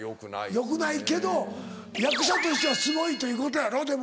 よくないけど役者としてはすごいということやろでも。